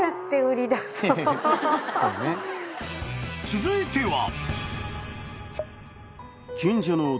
［続いては］